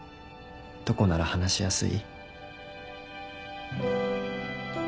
どこなら話しやすい？